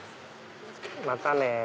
またね！